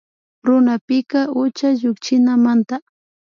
Kunanpika ucha llukshinamanda